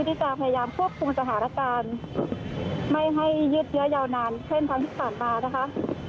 ที่จะพยายามควบคุมสถานการณ์ไม่ให้ยืดเยอะยาวนานเช่นครั้งที่ผ่านมานะคะ